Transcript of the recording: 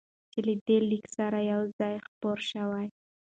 چې له دې لیک سره یو ځای خپور شوی،